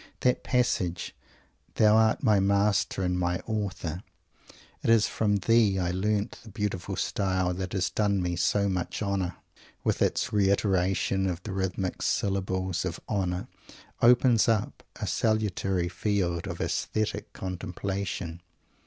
That passage, "Thou art my master and my author. It is from thee I learnt the beautiful style that has done me so much honour," with its reiteration of the rhythmic syllables of "honour," opens up a salutary field of aesthetic contemplation.